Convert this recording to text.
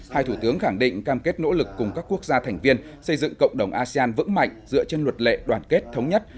hai thủ tướng khẳng định cam kết nỗ lực cùng các quốc gia thành viên xây dựng cộng đồng asean vững mạnh dựa trên luật lệ đoàn kết thống nhất